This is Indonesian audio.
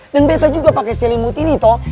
dan betta juga pake selimut ini tuh